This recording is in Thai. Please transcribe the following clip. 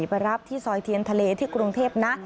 ไปรับที่ซอยเทียนทะเลที่กรุงเทพนะ